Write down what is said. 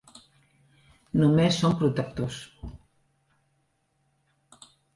Només som protectors.